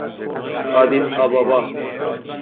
آدیس آبابا